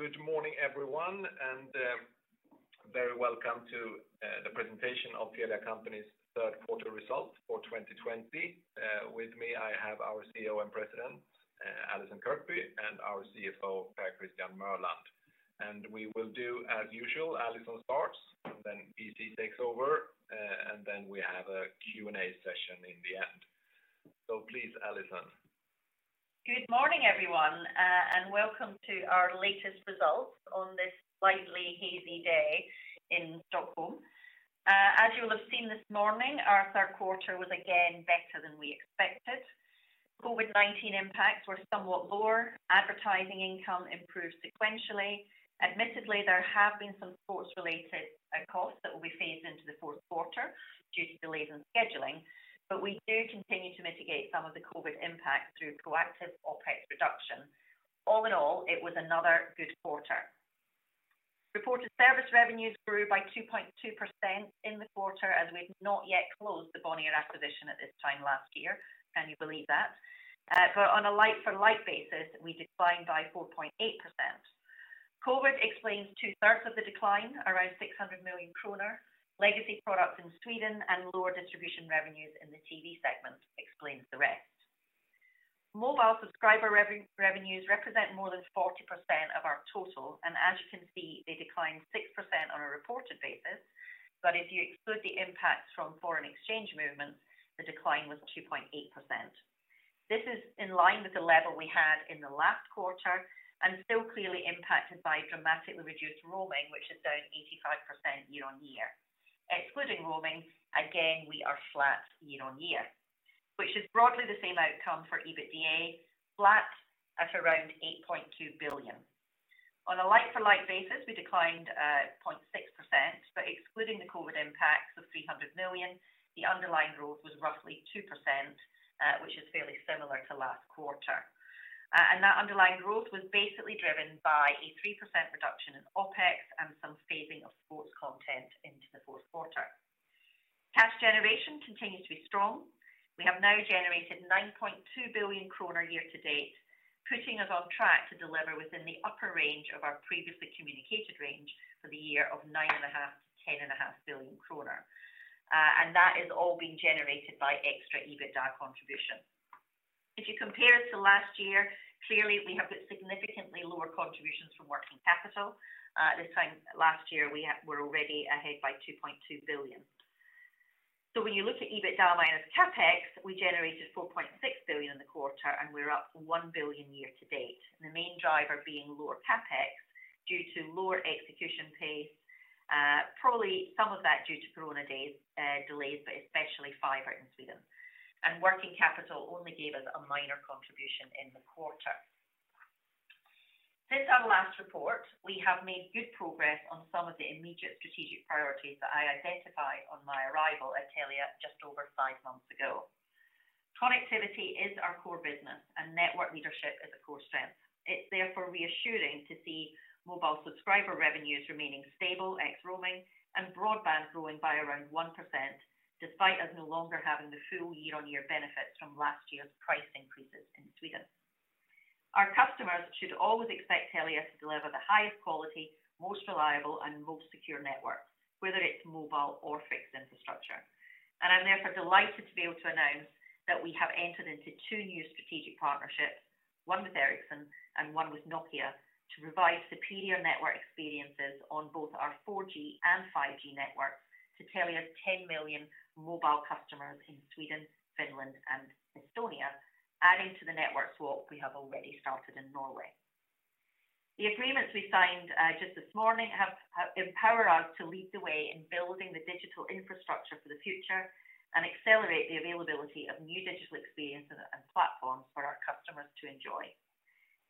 Good morning, everyone, a very welcome to the presentation of Telia Company's third quarter results for 2020. With me, I have our CEO and President, Allison Kirkby, and our CFO, Per Christian Mørland. We will do as usual. Allison starts, then P.C. takes over, and then we have a Q&A session in the end. Please, Allison. Good morning, everyone, welcome to our latest results on this slightly hazy day in Stockholm. As you will have seen this morning, our third quarter was again better than we expected. COVID-19 impacts were somewhat lower. Advertising income improved sequentially. Admittedly, there have been some sports-related costs that will be phased into the fourth quarter due to delays in scheduling, but we do continue to mitigate some of the COVID impact through proactive OpEx reduction. All in all, it was another good quarter. Reported service revenues grew by 2.2% in the quarter as we'd not yet closed the Bonnier acquisition at this time last year. Can you believe that? On a like-for-like basis, we declined by 4.8%. COVID explains two-thirds of the decline, around 600 million kronor. Legacy products in Sweden and lower distribution revenues in the TV segment explains the rest. Mobile subscriber revenues represent more than 40% of our total. As you can see, they declined 6% on a reported basis. If you exclude the impacts from foreign exchange movements, the decline was 2.8%. This is in line with the level we had in the last quarter and still clearly impacted by dramatically reduced roaming, which is down 85% year-on-year. Excluding roaming, again, we are flat year-on-year, which is broadly the same outcome for EBITDA, flat at around 8.2 billion. On a like-for-like basis, we declined 0.6%. Excluding the COVID impacts of 300 million, the underlying growth was roughly 2%, which is fairly similar to last quarter. That underlying growth was basically driven by a 3% reduction in OpEx and some phasing of sports content into the fourth quarter. Cash generation continues to be strong. We have now generated 9.2 billion kronor year-to-date, putting us on track to deliver within the upper range of our previously communicated range for the year of 9.5 billion-10.5 billion kronor. That is all being generated by extra EBITDA contribution. If you compare to last year, clearly, we have got significantly lower contributions from working capital. This time last year, we were already ahead by 2.2 billion. When you look at EBITDA minus CapEx, we generated 4.6 billion in the quarter, and we're up 1 billion year-to-date. The main driver being lower CapEx due to lower execution pace. Probably some of that due to corona delays, but especially fiber in Sweden. Working capital only gave us a minor contribution in the quarter. Since our last report, we have made good progress on some of the immediate strategic priorities that I identified on my arrival at Telia just over five months ago. Connectivity is our core business and network leadership is a core strength. It's therefore reassuring to see mobile subscriber revenues remaining stable ex roaming and broadband growing by around 1%, despite us no longer having the full year-on-year benefits from last year's price increases in Sweden. Our customers should always expect Telia to deliver the highest quality, most reliable, and most secure network, whether it's mobile or fixed infrastructure. I'm therefore delighted to be able to announce that we have entered into two new strategic partnerships, one with Ericsson and one with Nokia, to provide superior network experiences on both our 4G and 5G networks to Telia's 10 million mobile customers in Sweden, Finland, and Estonia, adding to the network swap we have already started in Norway. The agreements we signed just this morning empower us to lead the way in building the digital infrastructure for the future and accelerate the availability of new digital experiences and platforms for our customers to enjoy.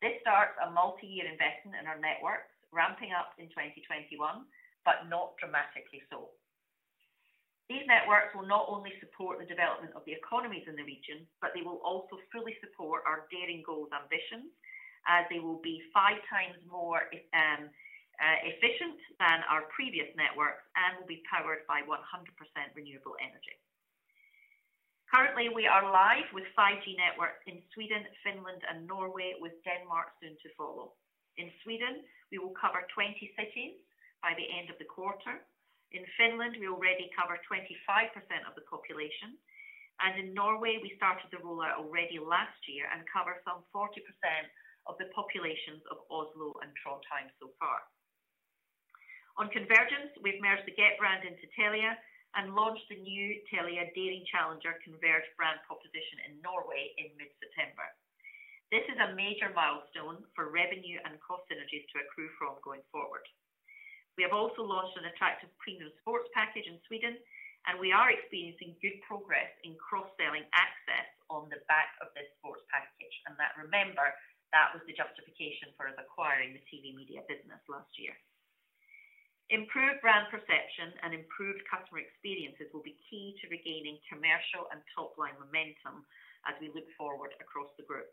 This starts a multi-year investment in our networks, ramping up in 2021, but not dramatically so. These networks will not only support the development of the economies in the region, but they will also fully support our daring goals ambitions, as they will be five times more efficient than our previous networks and will be powered by 100% renewable energy. Currently, we are live with 5G networks in Sweden, Finland, and Norway, with Denmark soon to follow. In Sweden, we will cover 20 cities by the end of the quarter. In Finland, we already cover 25% of the population. In Norway, we started the rollout already last year and cover some 40% of the populations of Oslo and Trondheim so far. On convergence, we've merged the Get brand into Telia and launched the new Telia Daring Challenger converge brand proposition in Norway in mid-September. This is a major milestone for revenue and cost synergies to accrue from going forward. We have also launched an attractive premium sports package in Sweden, and we are experiencing good progress in cross-selling access on the back of this sports package. Remember, that was the justification for acquiring the TV & Media business last year. Improved brand perception and improved customer experiences will be key to regaining commercial and top-line momentum as we look forward across the group.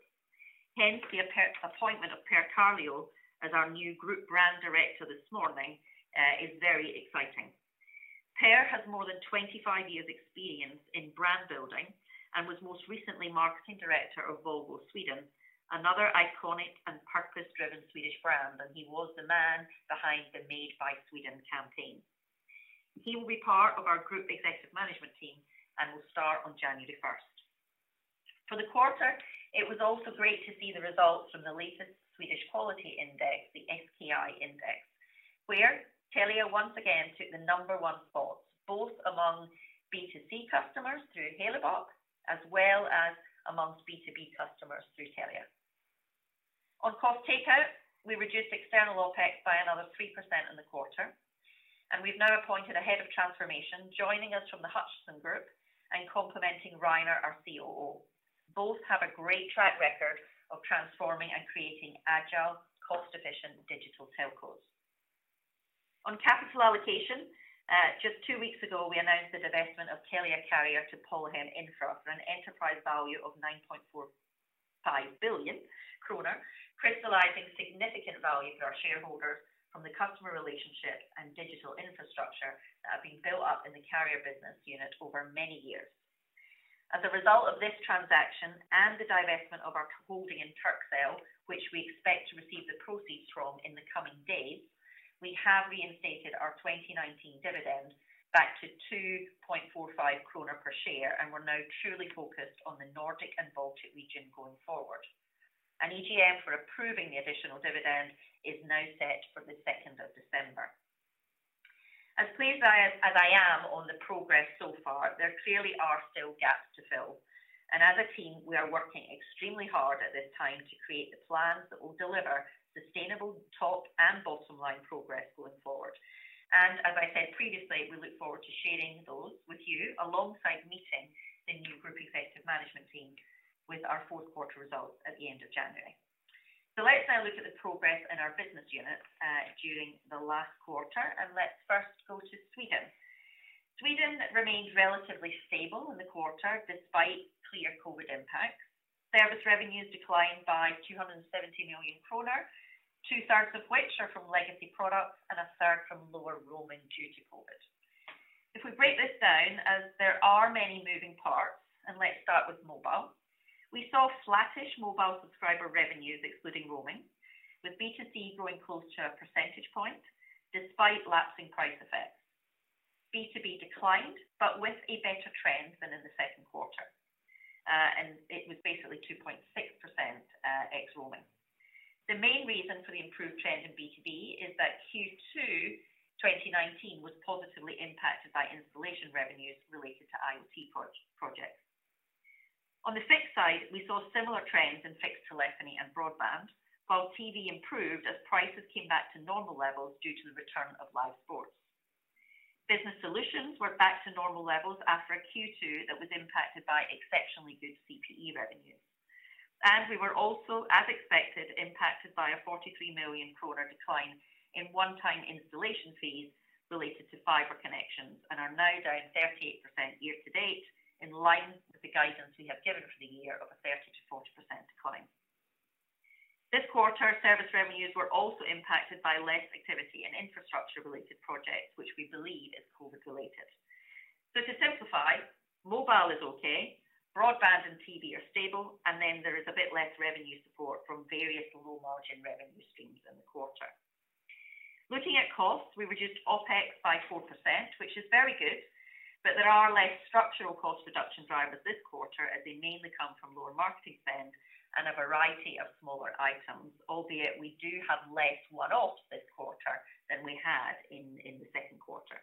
Hence, the appointment of Per Carleö as our new Group Brand Director this morning is very exciting. Per has more than 25 years experience in brand building and was most recently Marketing Director of Volvo Sweden, another iconic and purpose-driven Swedish brand, and he was the man behind the Made by Sweden campaign. He will be part of our group executive management team and will start on January 1st. For the quarter, it was also great to see the results from the latest Swedish Quality Index, the SKI index, where Telia once again took the number one spot, both among B2C customers through Halebop as well as amongst B2B customers through Telia. On cost takeout, we reduced external OpEx by another 3% in the quarter. We've now appointed a head of transformation, joining us from the Hutchison Group and complementing Rainer, our COO. Both have a great track record of transforming and creating agile, cost-efficient digital telcos. On capital allocation, just two weeks ago, we announced the divestment of Telia Carrier to Polhem Infra for an enterprise value of 9.45 billion kronor, crystallizing significant value for our shareholders from the customer relationship and digital infrastructure that have been built up in the carrier business unit over many years. As a result of this transaction and the divestment of our holding in Turkcell, which we expect to receive the proceeds from in the coming days, we have reinstated our 2019 dividend back to 2.45 kronor per share. We're now truly focused on the Nordic and Baltic region going forward. An EGM for approving the additional dividend is now set for the 2nd of December. As pleased as I am on the progress so far, there clearly are still gaps to fill. As a team, we are working extremely hard at this time to create the plans that will deliver sustainable top and bottom-line progress going forward. As I said previously, we look forward to sharing those with you alongside meeting the new group executive management team with our fourth quarter results at the end of January. Let's now look at the progress in our business units during the last quarter, and let's first go to Sweden. Sweden remained relatively stable in the quarter despite clear COVID impacts. Service revenues declined by 270 million kronor, two-thirds of which are from legacy products and a third from lower roaming due to COVID. If we break this down as there are many moving parts, and let's start with mobile. We saw flattish mobile subscriber revenues excluding roaming, with B2C growing close to a percentage point despite lapsing price effects. B2B declined, but with a better trend than in the second quarter. It was basically 2.6% ex-roaming. The main reason for the improved trend in B2B is that Q2 2019 was positively impacted by installation revenues related to IoT projects. On the fixed side, we saw similar trends in fixed telephony and broadband, while TV improved as prices came back to normal levels due to the return of live sports. Business solutions were back to normal levels after a Q2 that was impacted by exceptionally good CPE revenues. We were also, as expected, impacted by a 43 million kronor decline in one-time installation fees related to fiber connections and are now down 38% year-to-date, in line with the guidance we have given for the year of a 30%-40% decline. This quarter, service revenues were also impacted by less activity in infrastructure-related projects, which we believe is COVID related. To simplify, mobile is okay, broadband and TV are stable, and then there is a bit less revenue support from various low-margin revenue streams in the quarter. Looking at costs, we reduced OpEx by 4%, which is very good. There are less structural cost reduction drivers this quarter as they mainly come from lower marketing spend and a variety of smaller items. Albeit we do have less one-offs this quarter than we had in the second quarter.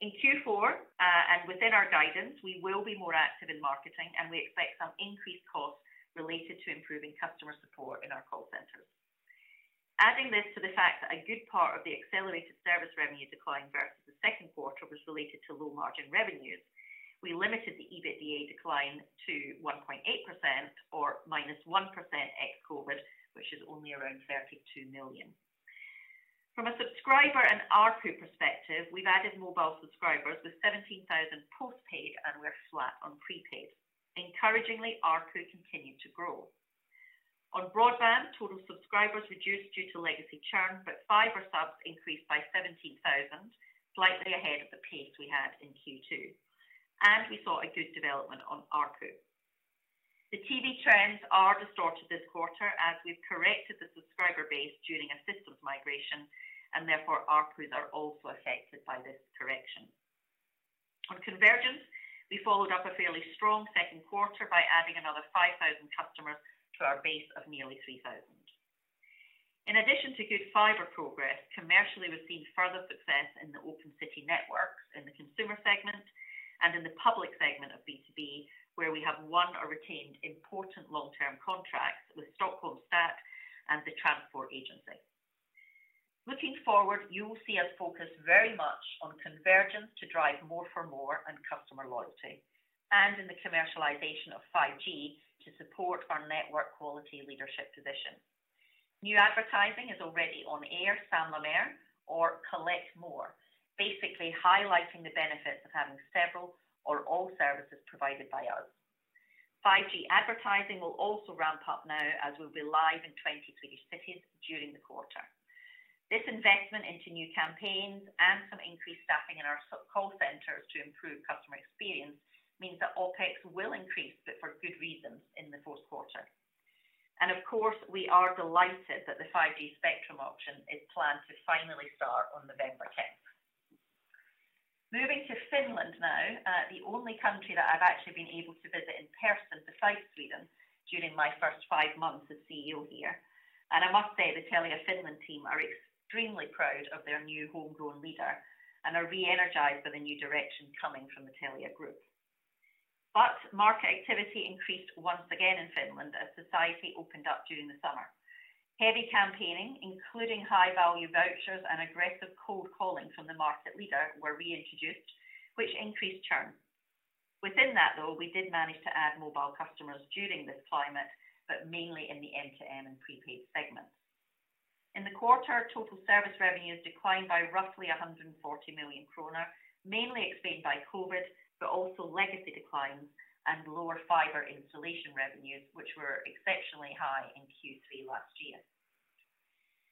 In Q4, within our guidance, we will be more active in marketing, and we expect some increased costs related to improving customer support in our call centers. Adding this to the fact that a good part of the accelerated service revenue decline versus the second quarter was related to low-margin revenues. We limited the EBITDA decline to 1.8% or -1% ex-COVID, which is only around 32 million. From a subscriber and ARPU perspective, we've added mobile subscribers with 17,000 postpaid, and we're flat on prepaid. Encouragingly, ARPU continued to grow. On broadband, total subscribers reduced due to legacy churn, but fiber subs increased by 17,000, slightly ahead of the pace we had in Q2. We saw a good development on ARPU. The TV trends are distorted this quarter as we've corrected the subscriber base during a systems migration, therefore ARPU are also affected by this correction. On convergence, we followed up a fairly strong second quarter by adding another 5,000 customers to our base of nearly 3,000. In addition to good fiber progress, commercially, we've seen further success in the Open City networks in the consumer segment and in the public segment of B2B, where we have won or retained important long-term contracts with Stockholms stad and the Transport Agency. Looking forward, you will see us focus very much on convergence to drive more for more and customer loyalty, and in the commercialization of 5G to support our network quality leadership position. New advertising is already on air, Samla Mer or collect more, basically highlighting the benefits of having several or all services provided by us. 5G advertising will also ramp up now as we'll be live in 23 cities during the quarter. This investment into new campaigns and some increased staffing in our call centers to improve customer experience means that OpEx will increase, but for good reasons in the fourth quarter. Of course, we are delighted that the 5G spectrum auction is planned to finally start on November 10th. Moving to Finland now, the only country that I've actually been able to visit in person besides Sweden during my first five months as CEO here, and I must say, the Telia Finland team are extremely proud of their new homegrown leader and are re-energized by the new direction coming from the Telia group. Market activity increased once again in Finland as society opened up during the summer. Heavy campaigning, including high-value vouchers and aggressive cold calling from the market leader, were reintroduced, which increased churn. Within that, though, we did manage to add mobile customers during this climate, but mainly in the M2M and prepaid segments. In the quarter, total service revenues declined by roughly 140 million kronor, mainly explained by COVID, but also legacy declines and lower fiber installation revenues, which were exceptionally high in Q3 last year.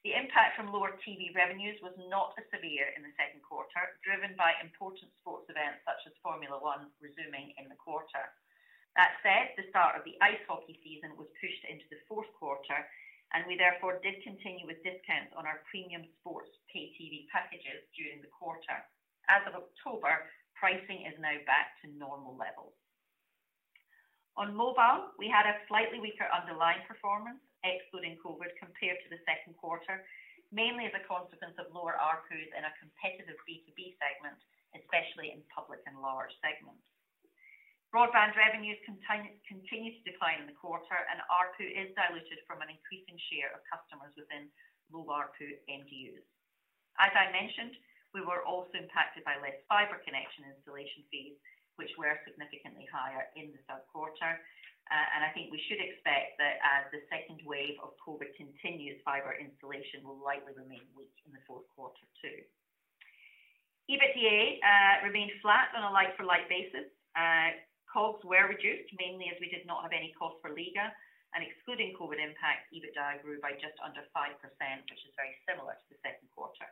The impact from lower TV revenues was not as severe in the second quarter, driven by important sports events such as Formula 1 resuming in the quarter. That said, the start of the ice hockey season was pushed into the fourth quarter, and we therefore did continue with discounts on our premium sports pay TV packages during the quarter. As of October, pricing is now back to normal levels. On mobile, we had a slightly weaker underlying performance excluding COVID compared to the second quarter, mainly as a consequence of lower ARPU in a competitive B2B segment, especially in public and large segments. Broadband revenues continue to decline in the quarter, and ARPU is diluted from an increasing share of customers within low ARPU MDUs. As I mentioned, we were also impacted by less fiber connection installation fees, which were significantly higher in the third quarter. I think we should expect that as the second wave of COVID continues, fiber installation will likely remain weak in the fourth quarter, too. EBITDA remained flat on a like-for-like basis. COGS were reduced mainly as we did not have any cost for Liiga, and excluding COVID impact, EBITDA grew by just under 5%, which is very similar to the second quarter.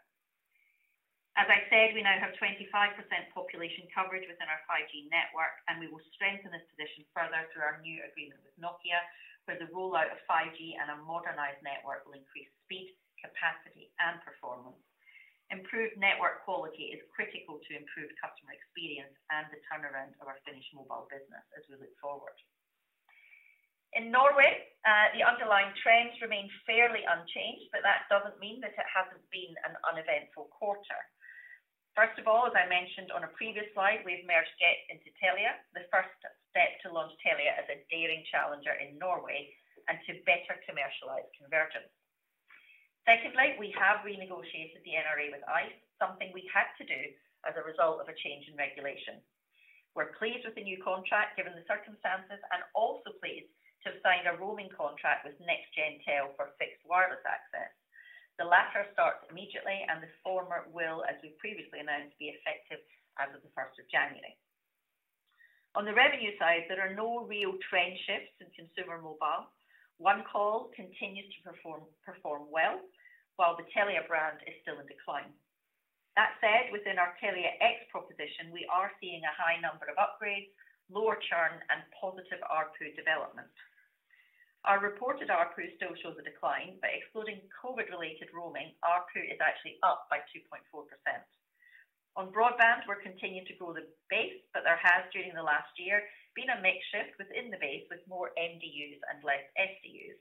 As I said, we now have 25% population coverage within our 5G network, and we will strengthen this position further through our new agreement with Nokia, where the rollout of 5G and a modernized network will increase speed, capacity, and performance. Improved network quality is critical to improved customer experience and the turnaround of our Finnish mobile business as we look forward. In Norway, the underlying trends remain fairly unchanged, but that doesn't mean that it hasn't been an uneventful quarter. First of all, as I mentioned on a previous slide, we've merged Get into Telia, the first step to launch Telia as a Telia Daring Challenger in Norway and to better commercialize convergence. Secondly, we have renegotiated the NRA with Ice, something we had to do as a result of a change in regulation. We're pleased with the new contract, given the circumstances, and also pleased to have signed a roaming contract with NextGenTel for fixed wireless access. The latter starts immediately. The former will, as we previously announced, be effective as of the 1st of January. On the revenue side, there are no real trend shifts in consumer mobile. OneCall continues to perform well, while the Telia brand is still in decline. That said, within our Telia X proposition, we are seeing a high number of upgrades, lower churn, and positive ARPU development. Our reported ARPU still shows a decline, but excluding COVID-related roaming, ARPU is actually up by 2.4%. On broadband, we're continuing to grow the base, but there has, during the last year, been a mix shift within the base with more MDUs and less SDUs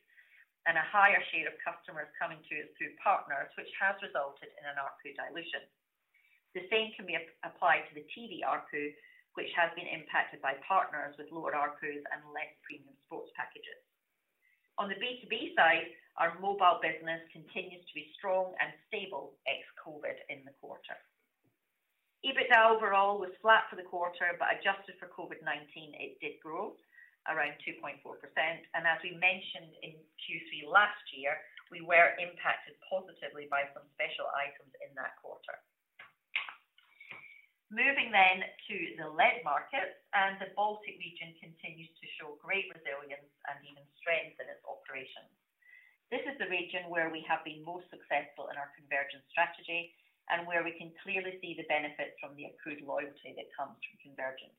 and a higher share of customers coming to us through partners, which has resulted in an ARPU dilution. The same can be applied to the TV ARPU, which has been impacted by partners with lower ARPUs and less premium sports packages. On the B2B side, our mobile business continues to be strong and stable ex-COVID in the quarter. EBITDA overall was flat for the quarter, but adjusted for COVID-19, it did grow around 2.4%. As we mentioned in Q3 last year, we were impacted positively by some special items in that quarter. Moving to the lead markets, the Baltic region continues to show great resilience and even strength in its operations. This is the region where we have been most successful in our convergence strategy and where we can clearly see the benefits from the accrued loyalty that comes from convergence.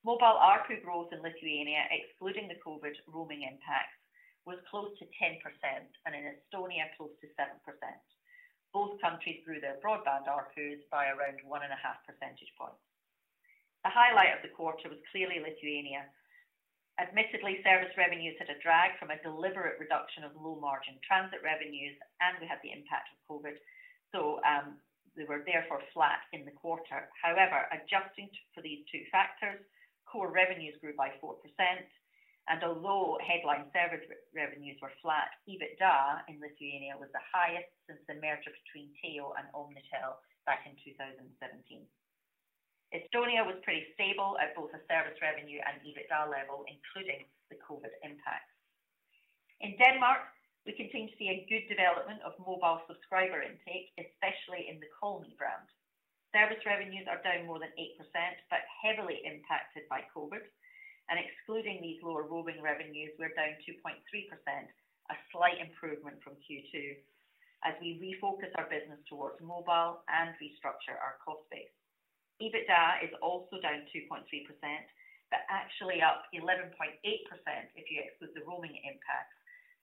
Mobile ARPU growth in Lithuania, excluding the COVID roaming impact, was close to 10% and in Estonia, close to 7%. Both countries grew their broadband ARPUs by around one and a half percentage points. The highlight of the quarter was clearly Lithuania. Admittedly, service revenues had a drag from a deliberate reduction of low-margin transit revenues, and we had the impact of COVID, so we were therefore flat in the quarter. However, adjusting for these two factors, core revenues grew by 4%. Although headline service revenues were flat, EBITDA in Lithuania was the highest since the merger between Teo and Omnitel back in 2017. Estonia was pretty stable at both the service revenue and EBITDA level, including the COVID impact. In Denmark, we continue to see a good development of mobile subscriber intake, especially in the Call me brand. Service revenues are down more than 8%, but heavily impacted by COVID. Excluding these lower roaming revenues, we're down 2.3%, a slight improvement from Q2, as we refocus our business towards mobile and restructure our cost base. EBITDA is also down 2.3%, but actually up 11.8% if you exclude the roaming impacts,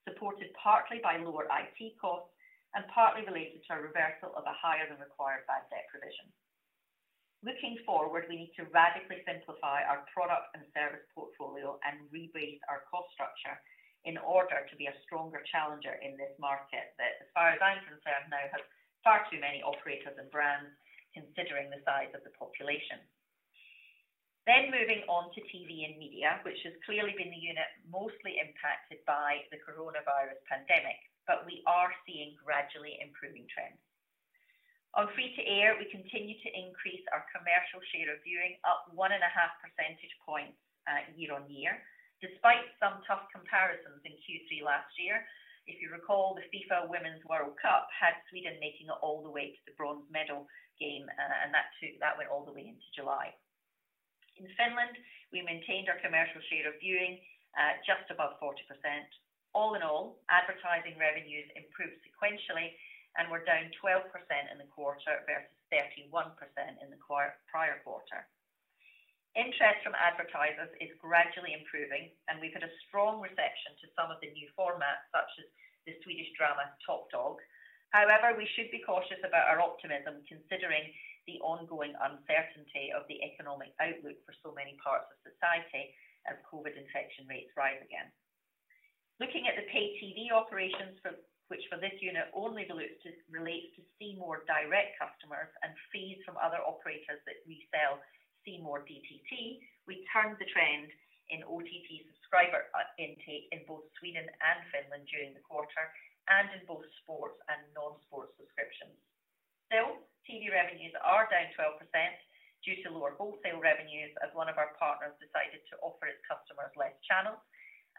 supported partly by lower IT costs and partly related to a reversal of a higher than required bad debt provision. Looking forward, we need to radically simplify our product and service portfolio and rebase our cost structure in order to be a stronger challenger in this market that, as far as I'm concerned, now has far too many operators and brands considering the size of the population. Moving on to TV & Media, which has clearly been the unit mostly impacted by the coronavirus pandemic, but we are seeing gradually improving trends. On free-to-air, we continue to increase our commercial share of viewing, up 1.5 percentage points year-over-year, despite some tough comparisons in Q3 last year. If you recall, the FIFA Women's World Cup had Sweden making it all the way to the bronze medal game, and that went all the way into July. In Finland, we maintained our commercial share of viewing just above 40%. All in all, advertising revenues improved sequentially, and were down 12% in the quarter versus 31% in the prior quarter. Interest from advertisers is gradually improving, and we've had a strong reception to some of the new formats, such as the Swedish drama "Top Dog." However, we should be cautious about our optimism considering the ongoing uncertainty of the economic outlook for so many parts of society as COVID infection rates rise again. Looking at the pay TV operations, which for this unit only relates to C More direct customers and fees from other operators that resell C More DTC, we turned the trend in OTT subscriber intake in both Sweden and Finland during the quarter, and in both sports and non-sports subscriptions. Still, TV revenues are down 12% due to lower wholesale revenues as one of our partners decided to offer its customers less channels.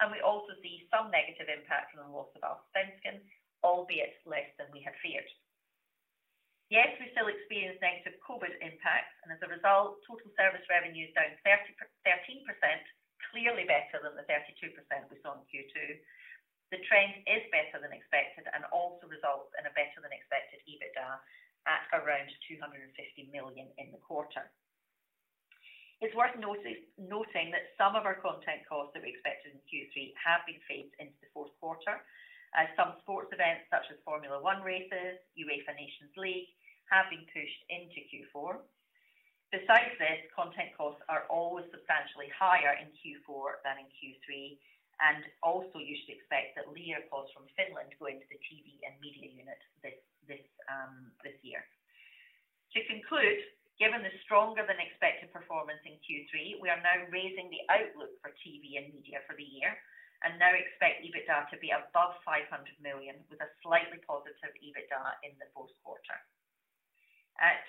We also see some negative impact from the loss of, albeit less than we had feared. Yes, we still experience negative COVID impacts, and as a result, total service revenue is down 13%, clearly better than the 32% we saw in Q2. The trend is better than expected and also results in a better-than-expected EBITDA at around 250 million in the quarter. It's worth noting that some of our content costs that we expected in Q3 have been phased into the fourth quarter, as some sports events such as Formula 1 races, UEFA Nations League, have been pushed into Q4. Besides this, content costs are always substantially higher in Q4 than in Q3, and also you should expect that linear costs from Finland go into the TV & Media unit this year. To conclude, given the stronger than expected performance in Q3, we are now raising the outlook for TV & Media for the year and now expect EBITDA to be above 500 million with a slightly positive EBITDA in the fourth quarter.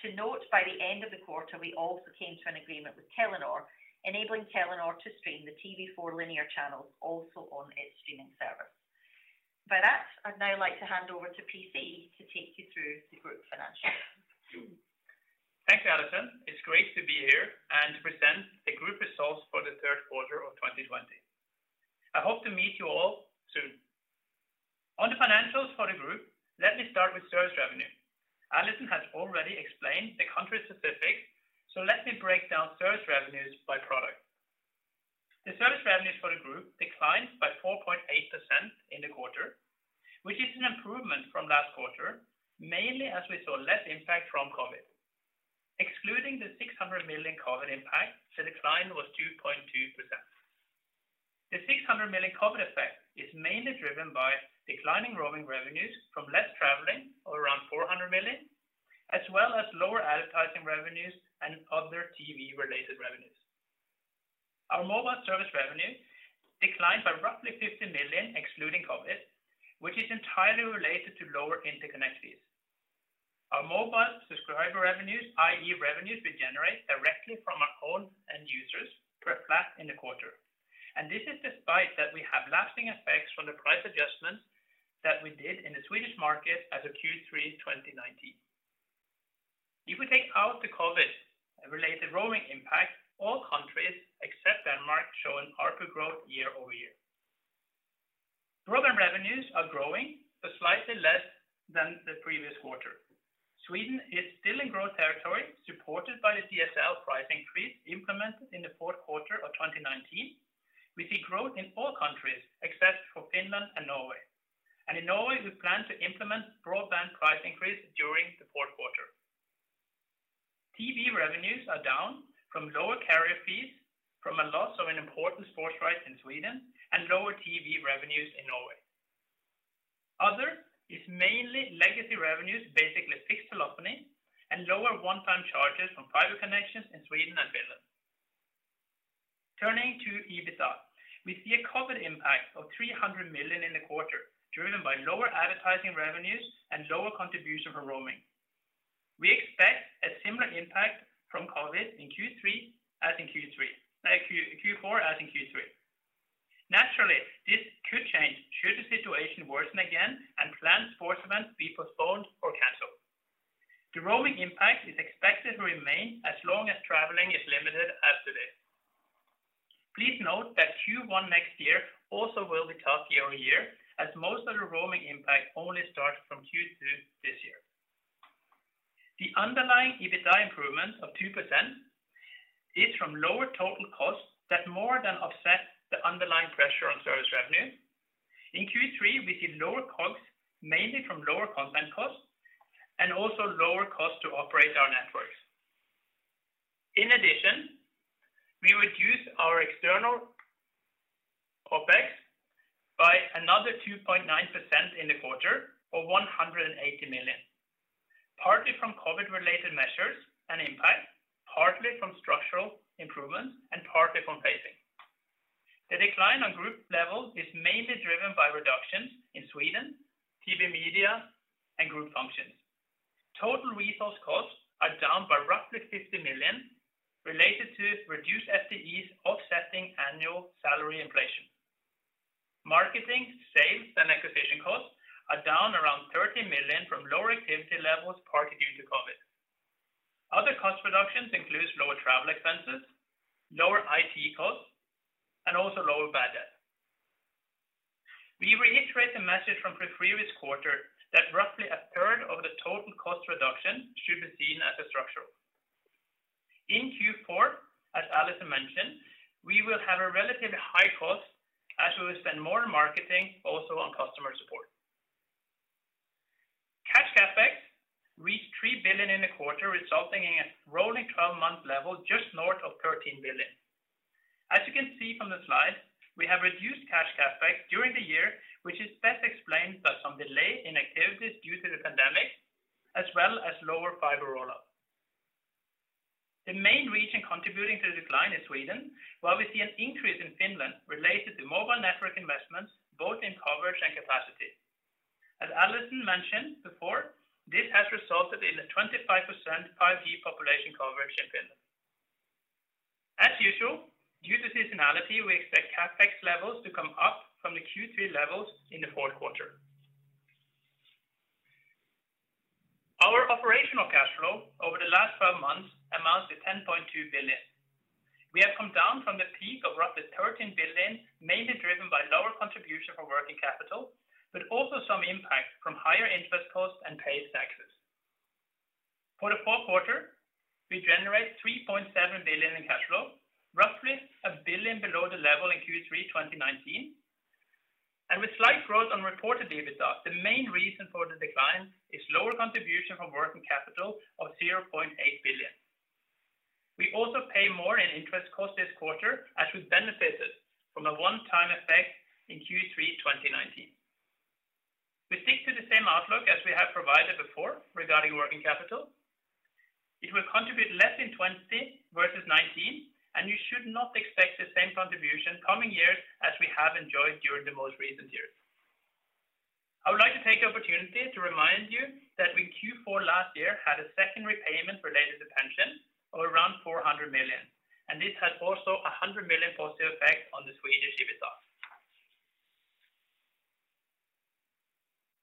To note, by the end of the quarter, we also came to an agreement with Telenor, enabling Telenor to stream the TV4 linear channels also on its streaming service. With that, I'd now like to hand over to P.C. to take you through the group financials. Thanks, Allison. It's great to be here and present the group results for the third quarter of 2020. I hope to meet you all soon. On the financials for the group, let me start with service revenue. Allison has already explained the country specifics, let me break down service revenues by product. The service revenues for the group declined by 4.8% in the quarter, which is an improvement from last quarter, mainly as we saw less impact from COVID. Excluding the 600 million COVID impact, the decline was 2.2%. The 600 million COVID effect is mainly driven by declining roaming revenues from less traveling or around 400 million, as well as lower advertising revenues and other TV-related revenues. Our mobile service revenue declined by roughly 50 million excluding COVID, which is entirely related to lower interconnect fees. Our mobile subscriber revenues, i.e., revenues we generate directly from our own end users, were flat in the quarter. This is despite that we have lasting effects from the price adjustments that we did in the Swedish market as of Q3 2019. If we take out the COVID-related roaming impact, all countries except Denmark show an ARPU growth year-over-year. Broadband revenues are growing, but slightly less than the previous quarter. Sweden is still in growth territory, supported by the DSL price increase implemented in the fourth quarter of 2019. We see growth in all countries except for Finland and Norway. In Norway, we plan to implement broadband price increase during the fourth quarter. TV revenues are down from lower carrier fees from a loss of an important sports right in Sweden and lower TV revenues in Norway. Other is mainly legacy revenues, basically fixed telephony, and lower one-time charges from fiber connections in Sweden and Finland. Turning to EBITDA. We see a COVID impact of 300 million in the quarter, driven by lower advertising revenues and lower contribution from roaming. We expect a similar impact from COVID in Q3 as in Q4 as in Q3. Naturally, this could change should the situation worsen again and planned sports events be postponed or canceled. The roaming impact is expected to remain as long as traveling is limited as today. Please note that Q1 next year also will be tough year-over-year, as most of the roaming impact only starts from Q2 this year. The underlying EBITDA improvement of 2% is from lower total costs that more than offset the underlying pressure on service revenue. In Q3, we see lower costs, mainly from lower content costs and also lower costs to operate our networks. In addition, we reduced our external OpEx by another 2.9% in the quarter of 180 million. Partly from COVID related measures and impact, partly from structural improvements, and partly from phasing. The decline on group level is mainly driven by reductions in Sweden, TV & Media, and group functions. Total resource costs are down by roughly 50 million, related to reduced FTEs offsetting annual salary inflation. Marketing, sales, and acquisition costs are down around 30 million from lower activity levels, partly due to COVID. Other cost reductions includes lower travel expenses, lower IT costs, and also lower bad debt. We reiterate the message from previous quarter that roughly a third of the total cost reduction should be seen as structural. In Q4, as Allison mentioned, we will have a relatively high cost as we will spend more on marketing, also on customer support. Cash CapEx reached 3 billion in the quarter, resulting in a rolling 12-month level just north of 13 billion. As you can see from the slide, we have reduced cash CapEx during the year, which is best explained by some delay in activities due to the pandemic, as well as lower fiber rollout. The main region contributing to the decline is Sweden, while we see an increase in Finland related to mobile network investments both in coverage and capacity. As Allison mentioned before, this has resulted in a 25% 5G population coverage in Finland. As usual, due to seasonality, we expect CapEx levels to come up from the Q3 levels in the fourth quarter. Our operational cash flow over the last 12 months amounts to 10.2 billion. We have come down from the peak of roughly 13 billion, mainly driven by lower contribution from working capital, but also some impact from higher interest costs and paid taxes. For the fourth quarter, we generate 3.7 billion in cash flow, roughly 1 billion below the level in Q3 2019. With slight growth on reported EBITDA, the main reason for the decline is lower contribution from working capital of 0.8 billion. We also pay more in interest costs this quarter, as we benefited from a one-time effect in Q3 2019. We stick to the same outlook as we have provided before regarding working capital. It will contribute less in 2020 versus 2019, and you should not expect the same contribution coming years as we have enjoyed during the most recent years. I would like to take the opportunity to remind you that in Q4 last year had a second repayment related to pension of around 400 million. This had also 100 million positive effect on the Swedish EBITDA.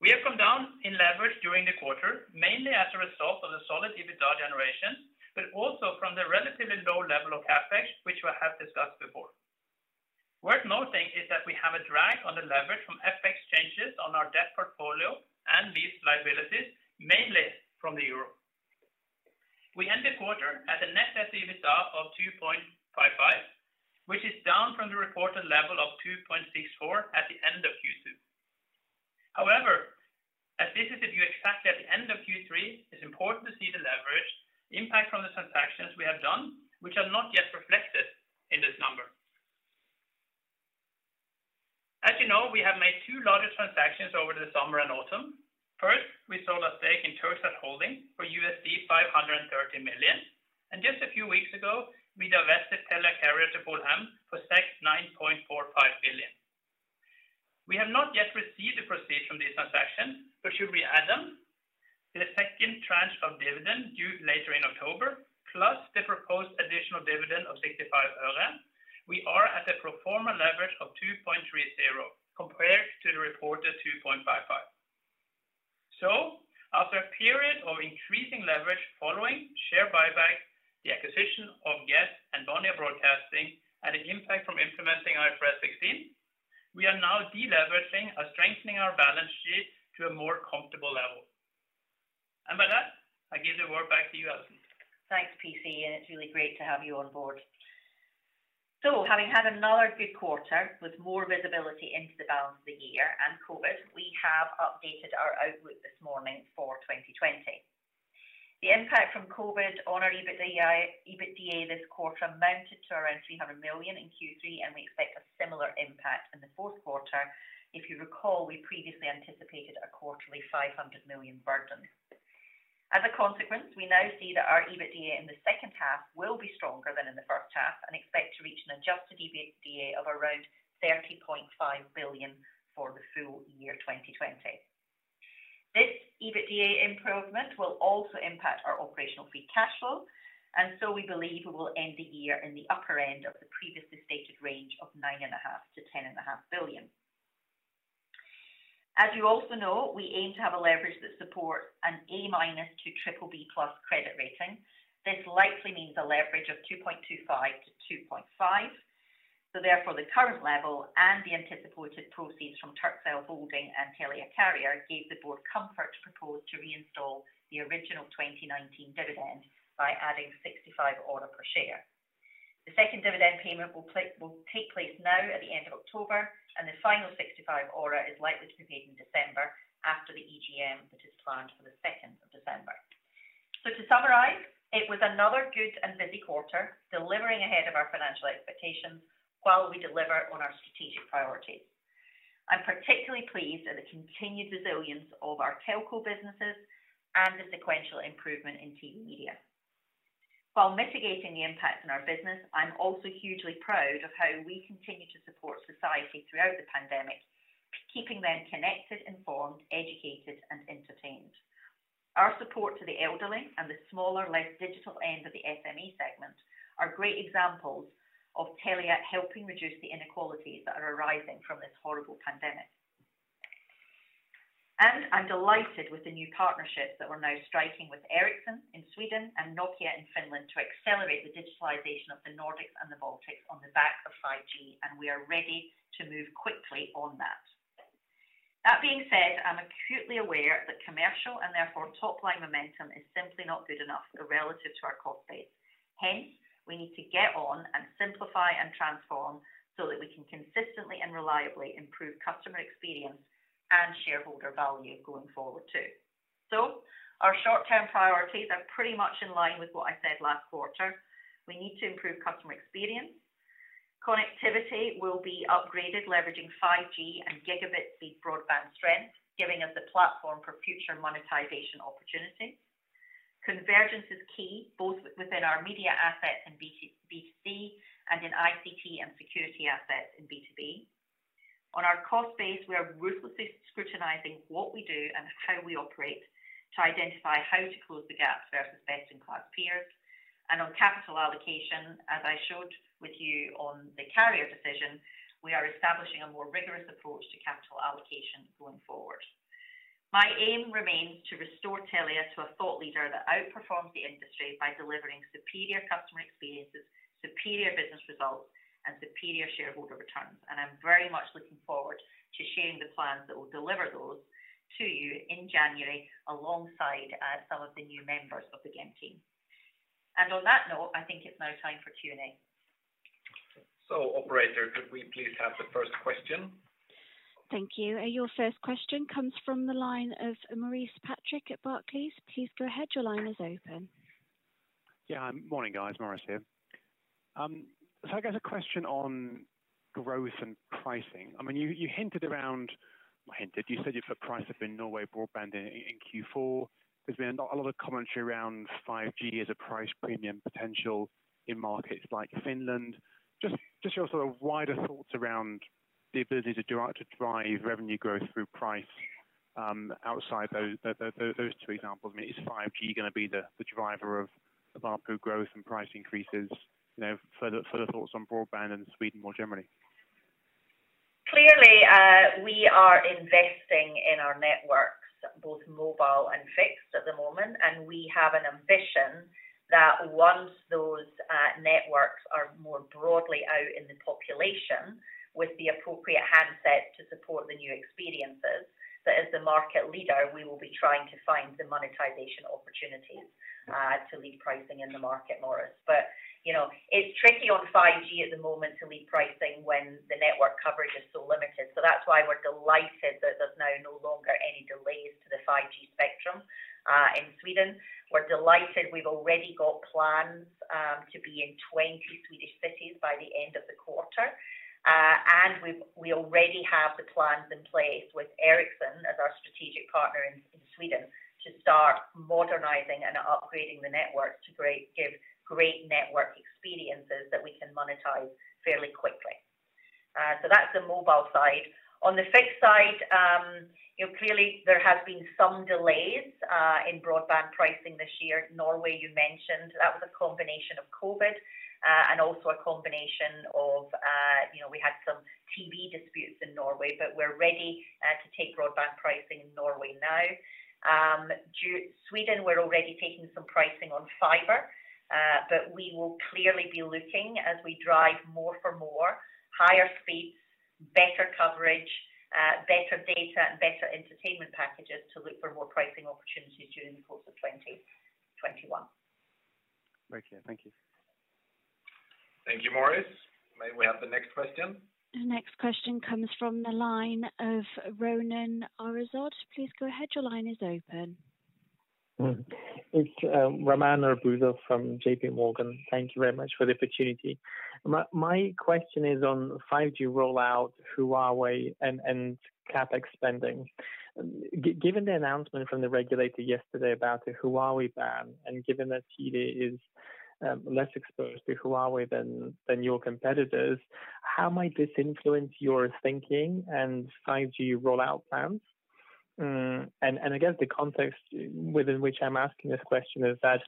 We have come down in leverage during the quarter, mainly as a result of the solid EBITDA generation. Also from the relatively low level of CapEx, which we have discussed before. Worth noting is that we have a drag on the leverage from FX changes on our debt portfolio and lease liabilities, mainly from the euro. We end the quarter at a net debt-to-EBITDA of 2.55, which is down from the reported level of 2.64 at the end of Q2. However, as this is a view exactly at the end of Q3, it's important to see the leverage impact from the transactions we have done, which are not yet reflected in this number. As you know, we have made two largest transactions over the summer and autumn. First, we sold a stake in Turkcell Holding for $530 million, and just a few weeks ago, we divested Telia Carrier to Polhem Infra for SEK 9.45 billion. We have not yet received the proceeds from this transaction, but should we add them to the second tranche of dividend due later in October, plus the proposed additional dividend of SEK 0.65, we are at a pro forma leverage of 2.30 compared to the reported 2.55. After a period of increasing leverage following share buyback, the acquisition of Get and Bonnier Broadcasting, and the impact from implementing IFRS 16, we are now de-leveraging or strengthening our balance sheet to a more comfortable level. With that, I give the word back to you, Allison. Thanks, P.C. It's really great to have you on board. Having had another good quarter with more visibility into the balance of the year and COVID, we have updated our outlook this morning for 2020. The impact from COVID on our EBITDA this quarter amounted to around 300 million in Q3, and we expect a similar impact in the fourth quarter. If you recall, we previously anticipated a quarterly 500 million burden. As a consequence, we now see that our EBITDA in the second half will be stronger than in the first half and expect to reach an adjusted EBITDA of around 30.5 billion for the full year 2020. This EBITDA improvement will also impact our operational free cash flow, and so we believe we will end the year in the upper end of the previously stated range of 9.5 billion-10.5 billion. As you also know, we aim to have a leverage that supports an A- to BBB+ credit rating. This likely means a leverage of 2.25-2.5. Therefore, the current level and the anticipated proceeds from Turkcell Holding and Telia Carrier gave the board comfort to propose to reinstall the original 2019 dividend by adding SEK 0.65 per share. The second dividend payment will take place now at the end of October, and the final 0.65 is likely to be paid in December after the EGM that is planned for the 2nd of December. To summarize, it was another good and busy quarter, delivering ahead of our financial expectations while we deliver on our strategic priorities. I'm particularly pleased at the continued resilience of our telco businesses and the sequential improvement in TV & Media. While mitigating the impact on our business, I'm also hugely proud of how we continue to support society throughout the pandemic, keeping them connected, informed, educated, and entertained. Our support to the elderly and the smaller, less digital end of the SME segment are great examples of Telia helping reduce the inequalities that are arising from this horrible pandemic. I'm delighted with the new partnerships that we're now striking with Ericsson in Sweden and Nokia in Finland to accelerate the digitalization of the Nordics and the Baltics on the back of 5G. We are ready to move quickly on that. That being said, I'm acutely aware that commercial and therefore top-line momentum is simply not good enough relative to our cost base. Hence, we need to get on and simplify and transform so that we can consistently and reliably improve customer experience and shareholder value going forward, too. Our short-term priorities are pretty much in line with what I said last quarter. We need to improve customer experience. Connectivity will be upgraded, leveraging 5G and gigabit-speed broadband strength, giving us the platform for future monetization opportunities. Convergence is key, both within our media assets in B2C and in ICT and security assets in B2B. On our cost base, we are ruthlessly scrutinizing what we do and how we operate to identify how to close the gaps versus best-in-class peers. On capital allocation, as I showed with you on the carrier decision, we are establishing a more rigorous approach to capital allocation going forward. My aim remains to restore Telia to a thought leader that outperforms the industry by delivering superior customer experiences, superior business results, and superior shareholder returns. I'm very much looking forward to sharing the plans that will deliver those to you in January alongside some of the new members of the GEM team. On that note, I think it's now time for Q&A. Operator, could we please have the first question? Thank you. Your first question comes from the line of Maurice Patrick at Barclays. Please go ahead. Your line is open. Yeah. Morning, guys. Maurice here. I guess a question on growth and pricing. You hinted, you said you've put price up in Norway broadband in Q4. There's been a lot of commentary around 5G as a price premium potential in markets like Finland. Just your wider thoughts around the ability to drive revenue growth through price outside those two examples. Is 5G going to be the driver of ARPU growth and price increases? Further thoughts on broadband and Sweden more generally. Clearly, we are investing in our networks, both mobile and fixed at the moment, and we have an ambition that once those networks are more broadly out in the population with the appropriate handsets to support the new experiences, that as the market leader, we will be trying to find the monetization opportunities to lead pricing in the market, Maurice. It's tricky on 5G at the moment to lead pricing when the network coverage is so limited. That's why we're delighted that there's now no longer any delays to the 5G spectrum in Sweden. We're delighted we've already got plans to be in 20 Swedish cities by the end of the quarter. We already have the plans in place with Ericsson as our strategic partner in Sweden to start modernizing and upgrading the networks to give great network experiences that we can monetize fairly quickly. That's the mobile side. On the fixed side, clearly there have been some delays in broadband pricing this year. Norway, you mentioned. That was a combination of COVID and also a combination of we had some TV disputes in Norway, but we're ready to take broadband pricing in Norway now. Sweden, we're already taking some pricing on fiber, but we will clearly be looking as we drive more for more, higher speeds, better coverage, better data, and better entertainment packages to look for more pricing opportunities during the course of 2021. Very clear. Thank you. Thank you, Maurice. May we have the next question? The next question comes from the line of Roman Arbuzov. It's Roman Arbuzov from JPMorgan. Thank you very much for the opportunity. My question is on 5G rollout, Huawei, and CapEx spending. Given the announcement from the regulator yesterday about the Huawei ban, given that Telia is less exposed to Huawei than your competitors. How might this influence your thinking and 5G rollout plans? I guess the context within which I'm asking this question is that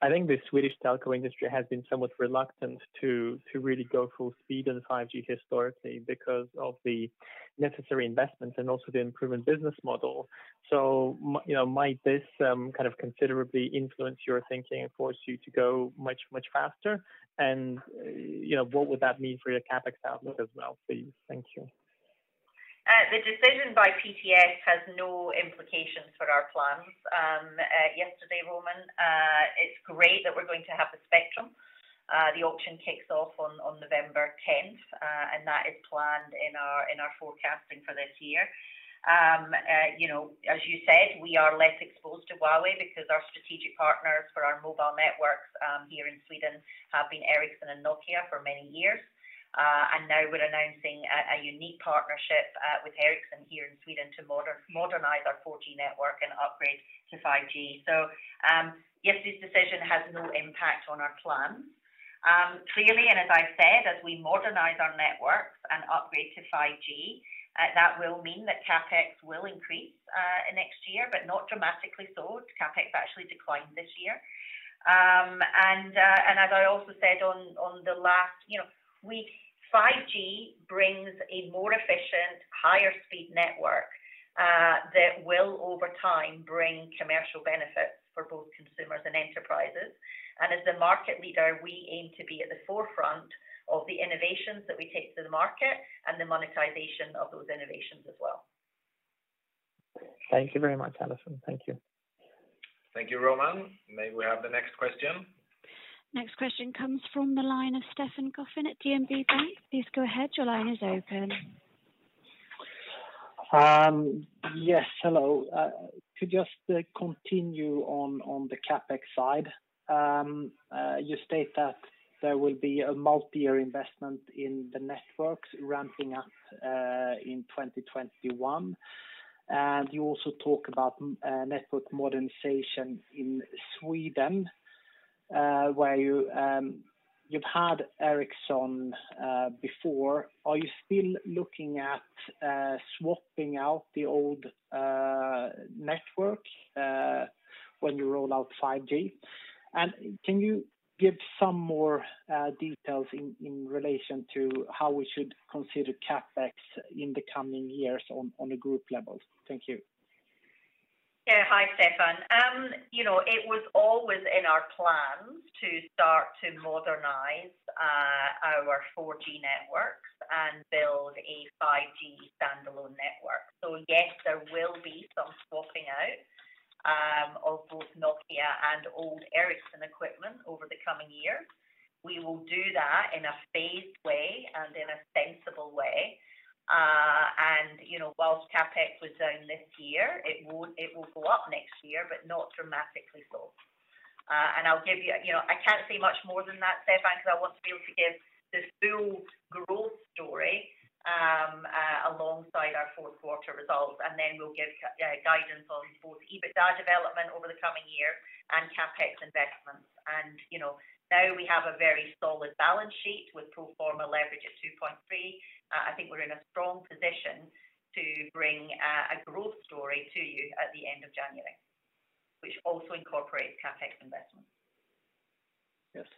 I think the Swedish telco industry has been somewhat reluctant to really go full speed on 5G historically because of the necessary investments and also the unproven business model. Might this kind of considerably influence your thinking and force you to go much, much faster? What would that mean for your CapEx outlook as well, please? Thank you. The decision by PTS has no implications for our plans yesterday, Roman. It's great that we're going to have the spectrum. The auction kicks off on November 10th, and that is planned in our forecasting for this year. As you said, we are less exposed to Huawei because our strategic partners for our mobile networks here in Sweden have been Ericsson and Nokia for many years. Now we're announcing a unique partnership with Ericsson here in Sweden to modernize our 4G network and upgrade to 5G. Yes, this decision has no impact on our plans. As I've said, as we modernize our networks and upgrade to 5G, that will mean that CapEx will increase next year, but not dramatically so. CapEx actually declined this year. As I also said on the last week, 5G brings a more efficient, higher speed network that will, over time, bring commercial benefits for both consumers and enterprises. As the market leader, we aim to be at the forefront of the innovations that we take to the market and the monetization of those innovations as well. Thank you very much, Allison. Thank you. Thank you, Roman. May we have the next question? Next question comes from the line of Stefan Gauffin at DNB Bank. Yes, hello. To just continue on the CapEx side. You state that there will be a multi-year investment in the networks ramping up in 2021. You also talk about network modernization in Sweden, where you've had Ericsson before. Are you still looking at swapping out the old network when you roll out 5G? Can you give some more details in relation to how we should consider CapEx in the coming years on a group level? Thank you. Hi, Stefan. It was always in our plans to start to modernize our 4G networks and build a 5G standalone network. Yes, there will be some swapping out of both Nokia and old Ericsson equipment over the coming years. We will do that in a phased way and in a sensible way. Whilst CapEx was down this year, it will go up next year, but not dramatically so. I can't say much more than that, Stefan, because I want to be able to give the full growth story alongside our fourth quarter results, then we'll give guidance on both EBITDA development over the coming year and CapEx investments. Now we have a very solid balance sheet with pro forma leverage at 2.3. I think we're in a strong position to bring a growth story to you at the end of January, which also incorporates CapEx investments. Yes.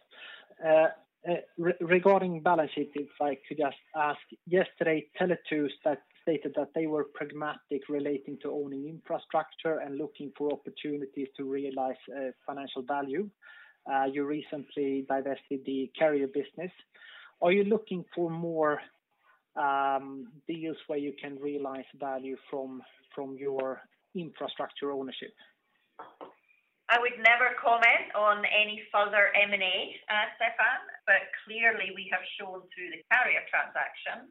Regarding balance sheet, if I could just ask, yesterday, Tele2 stated that they were pragmatic relating to owning infrastructure and looking for opportunities to realize financial value. You recently divested the carrier business. Are you looking for more deals where you can realize value from your infrastructure ownership? I would never comment on any further M&A, Stefan. Clearly we have shown through the Carrier transaction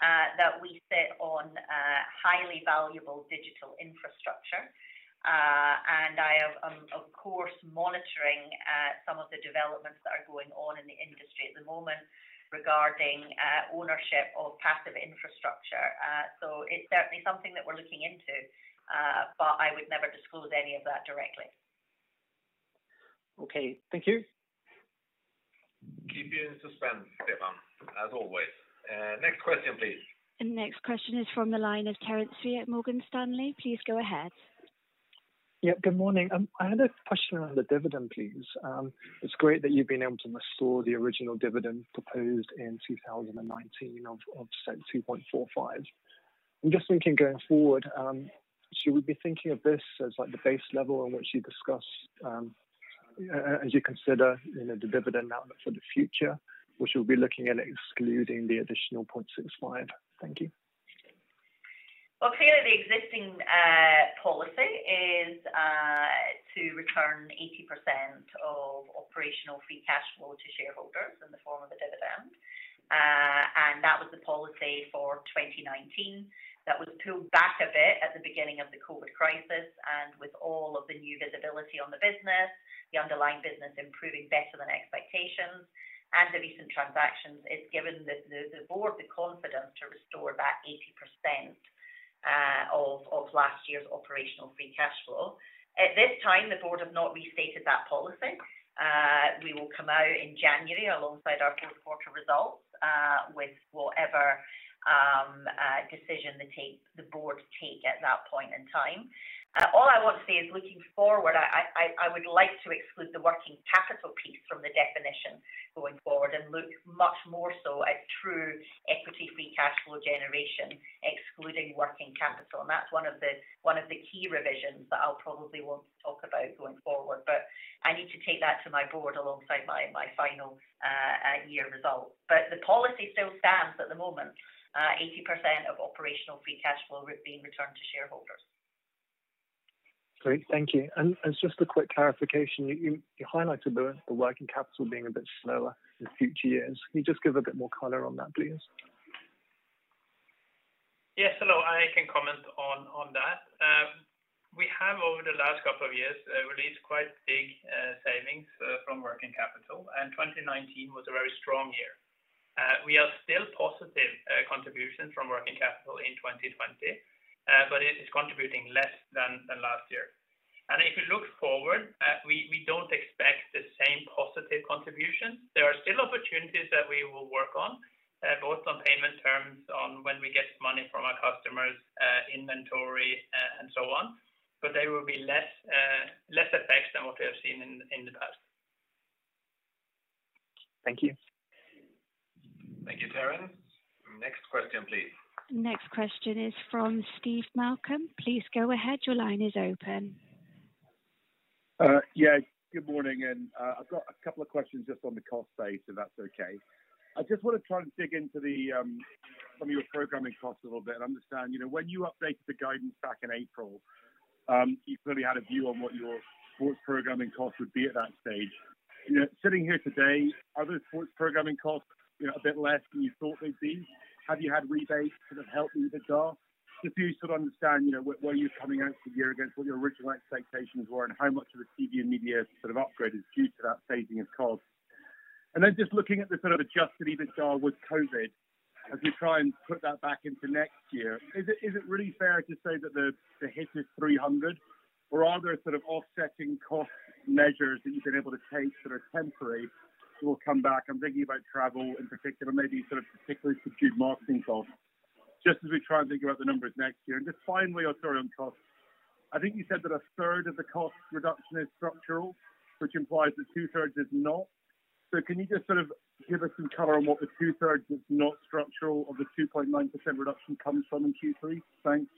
that we sit on highly valuable digital infrastructure. I am, of course, monitoring some of the developments that are going on in the industry at the moment regarding ownership of passive infrastructure. It's certainly something that we're looking into, but I would never disclose any of that directly. Okay. Thank you. Keep you in suspense, Stefan, as always. Next question, please. Next question is from the line of Terence Tsui at Morgan Stanley. Please go ahead. Yeah. Good morning. I had a question on the dividend, please. It is great that you have been able to restore the original dividend proposed in 2019 of 2.45. I am just thinking, going forward, should we be thinking of this as like the base level on which you discuss as you consider the dividend outlook for the future? Which you will be looking at excluding the additional 0.65. Thank you. Well, clearly the existing policy is to return 80% of operational free cash flow to shareholders in the form of a dividend. That was the policy for 2019 that was pulled back a bit at the beginning of the COVID crisis. With all of the new visibility on the business, the underlying business improving better than expectations, and the recent transactions, it's given the board the confidence to restore that 80% of last year's operational free cash flow. At this time, the board have not restated that policy. We will come out in January alongside our fourth quarter results, with whatever decision the board take at that point in time. All I want to say is, looking forward, I would like to exclude the working capital piece from the definition going forward and look much more so at true equity-free cash flow generation, excluding working capital. That's one of the key revisions that I'll probably want to talk about going forward. I need to take that to my board alongside my final year result. The policy still stands at the moment, 80% of operational free cash flow being returned to shareholders. Great. Thank you. Just a quick clarification. You highlighted the working capital being a bit slower in future years. Can you just give a bit more color on that, please? Yes. Hello. I can comment on that. We have over the last couple of years, released quite big savings from working capital, and 2019 was a very strong year. We are still positive contribution from working capital in 2020, but it is contributing less than last year. If you look forward, we don't expect the same positive contribution. There are still opportunities that we will work on, both on payment terms on when we get money from our customers, inventory and so on, but they will be less effects than what we have seen in the past. Thank you. Thank you, Terence. Next question, please. Next question is from Steve Malcolm. Please go ahead. Your line is open. Yeah, good morning. I've got a couple of questions just on the cost side, if that's okay. I just want to try and dig into some of your programming costs a little bit and understand. When you updated the guidance back in April, you clearly had a view on what your sports programming costs would be at that stage. Sitting here today, are those sports programming costs a bit less than you thought they'd be? Have you had rebates sort of helping the EBITDA? Just so you sort of understand where you're coming out for the year against what your original expectations were and how much of the TV & Media sort of upgrade is due to that phasing of cost. Then just looking at the sort of adjusted EBITDA with COVID, as you try and put that back into next year, is it really fair to say that the hit is 300 million, or are there sort of offsetting cost measures that you've been able to take sort of temporary that will come back? I'm thinking about travel in particular, maybe sort of particularly subdued marketing costs, just as we try and think about the numbers next year. Just finally, sorry, on costs. I think you said that a third of the cost reduction is structural, which implies that two thirds is not. Can you just sort of give us some color on what the two thirds is not structural of the 2.9% reduction comes from in Q3? Thanks.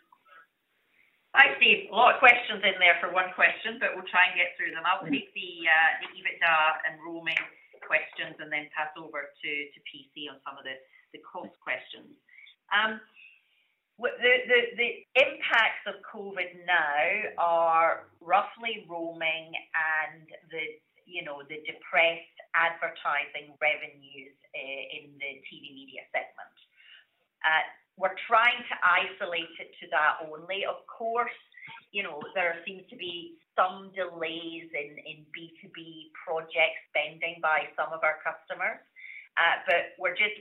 Hi, Steve. A lot of questions in there for one question. We'll try and get through them. I'll take the EBITDA and roaming questions and then pass over to P.C. on some of the cost questions. The impacts of COVID now are roughly roaming and the depressed advertising revenues in the TV & Media segment. We're trying to isolate it to that only. Of course, there seems to be some delays in B2B project spending by some of our customers.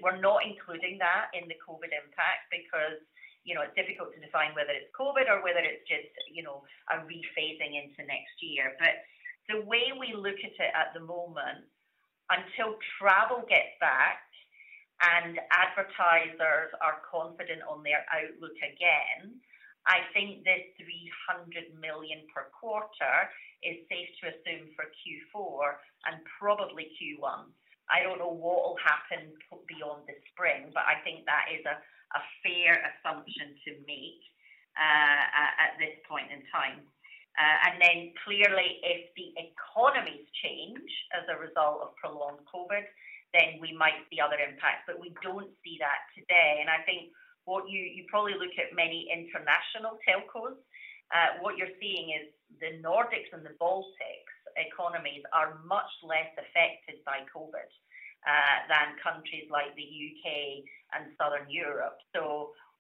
We're not including that in the COVID impact because it's difficult to define whether it's COVID or whether it's just a rephasing into next year. The way we look at it at the moment, until travel gets back and advertisers are confident on their outlook again, I think this 300 million per quarter is safe to assume for Q4 and probably Q1. I don't know what will happen beyond the spring, but I think that is a fair assumption to make at this point in time. Clearly, if the economies change as a result of prolonged COVID, then we might see other impacts. We don't see that today. I think you probably look at many international telcos. What you're seeing is the Nordics and the Baltics economies are much less affected by COVID than countries like the U.K. and Southern Europe.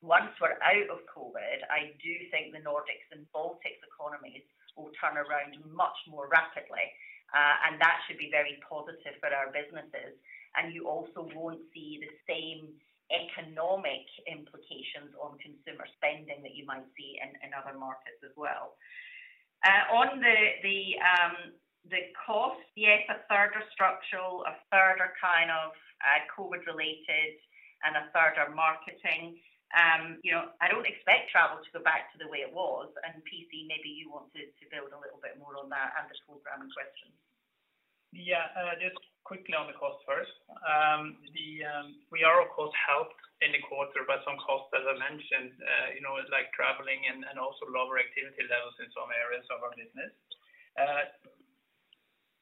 Once we're out of COVID, I do think the Nordics and Baltics economies will turn around much more rapidly, and that should be very positive for our businesses. You also won't see the same economic implications on consumer spending that you might see in other markets as well. On the cost, yes, a third are structural, a third are kind of COVID-related, and a third are marketing. I don't expect travel to go back to the way it was. P.C., maybe you want to build a little bit more on that and the programming question. Yeah. Just quickly on the cost first. We are, of course, helped in the quarter by some costs, as I mentioned like traveling and also lower activity levels in some areas of our business.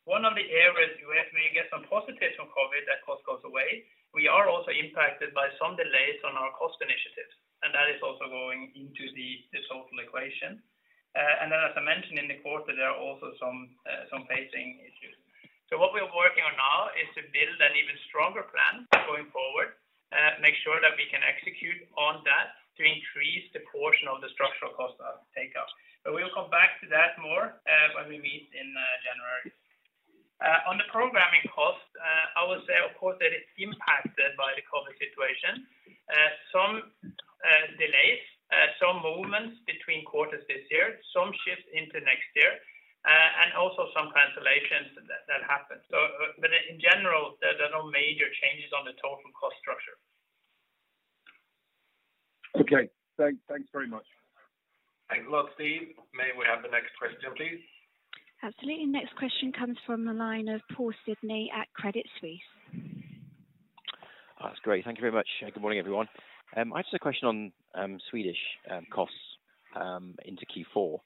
One of the areas where we get some positivity from COVID that cost goes away. We are also impacted by some delays on our cost initiatives, and that is also going into the total equation. As I mentioned in the quarter, there are also some phasing issues. What we are working on now is to build an even stronger plan going forward, make sure that we'll come back to that more when we meet in January. On the programming cost, I would say, of course, that it's impacted by the COVID situation. Some delays, some movements between quarters this year, some shifts into next year, and also some cancellations that happened. In general, there are no major changes on the total cost structure. Okay. Thanks very much. Thanks a lot, Steve. May we have the next question, please? Absolutely. Next question comes from the line of Paul Sidney at Credit Suisse. That's great. Thank you very much. Good morning, everyone. I just have a question on Swedish costs into Q4.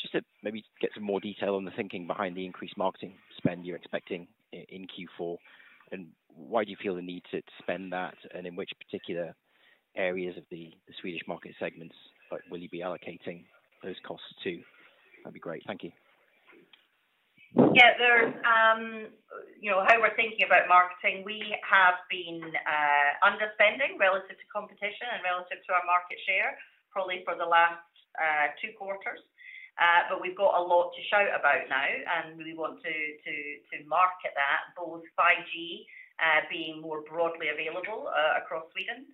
Just to maybe get some more detail on the thinking behind the increased marketing spend you're expecting in Q4, and why do you feel the need to spend that, and in which particular areas of the Swedish market segments will you be allocating those costs to. That'd be great. Thank you. Yeah. How we're thinking about marketing, we have been underspending relative to competition and relative to our market share, probably for the last two quarters. We've got a lot to shout about now, and we want to market that, both 5G being more broadly available across Sweden,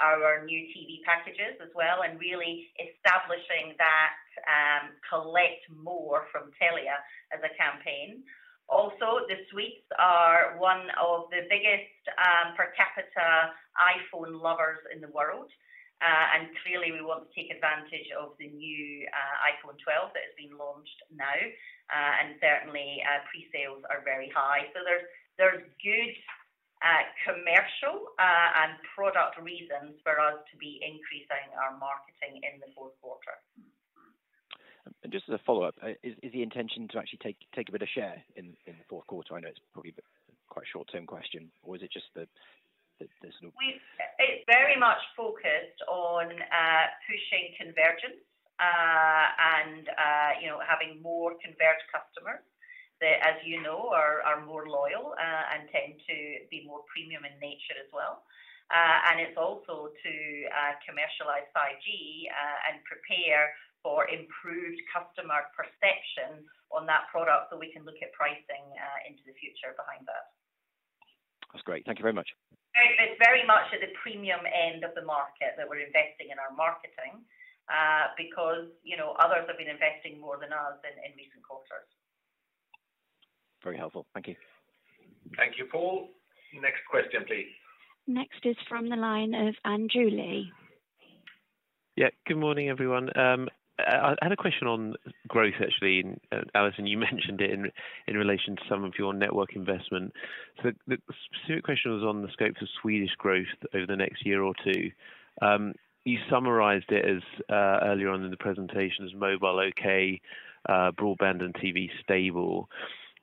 our new TV packages as well, and really establishing that collect more from Telia as a campaign. Also, the Swedes are one of the biggest per capita iPhone lovers in the world. Clearly, we want to take advantage of the new iPhone 12 that has been launched now, and certainly pre-sales are very high. There's good commercial and product reasons for us to be increasing our marketing in the fourth quarter. Just as a follow-up, is the intention to actually take a bit of share in the fourth quarter? I know it's probably quite a short-term question. It's very much focused on pushing convergence and having more converged customers that, as you know, are more loyal and tend to be more premium in nature as well. It's also to commercialize 5G and prepare for improved customer perception on that product, so we can look at pricing into the future behind that. That's great. Thank you very much. It's very much at the premium end of the market that we're investing in our marketing, because others have been investing more than us in recent quarters. Very helpful. Thank you. Thank you, Paul. Next question, please. Next is from the line of Andrew Lee. Good morning, everyone. I had a question on growth, actually. Allison, you mentioned it in relation to some of your network investment. The specific question was on the scope for Swedish growth over the next year or two. You summarized it as, earlier on in the presentation as mobile okay, broadband and TV stable.